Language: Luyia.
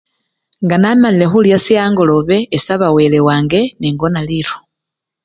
Nga namalile khulya sye angolobe, esaba wele wange nengona lilo.